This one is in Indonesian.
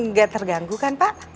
nggak terganggu kan pak